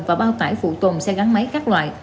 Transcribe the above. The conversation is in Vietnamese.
và bao tải phụ tùng xe gắn máy các loại